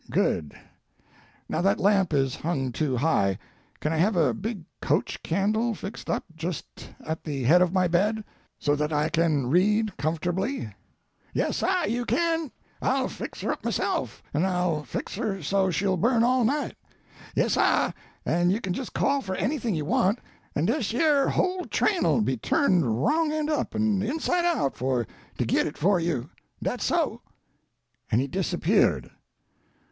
"Good! Now, that lamp is hung too high. Can I have a big coach candle fixed up just at the head of my bed, so that I can read comfortably?" "Yes, sah, you kin; I'll fix her up myself, an' I'll fix her so she'll burn all night. Yes, sah; an' you can jes' call for anything you want, and dish yer whole railroad'll be turned wrong end up an' inside out for to get it for you. Dat's so." And he disappeared.